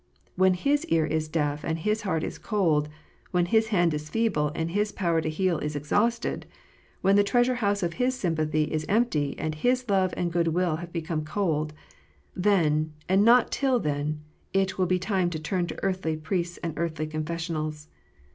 When His ear is deaf, and His heart is cold, when His hand is feeble, and His power to heal is exhausted, when the treasure house of His sympathy is empty, and His love and goodwill have become cold, then, and not till then, it will be time to turn to earthly priests and earthly confessionals.